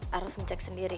harus ngecek sendiri